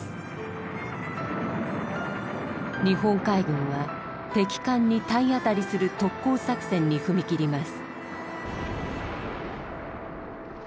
日本海軍は敵艦に体当たりする特攻作戦に踏み切ります。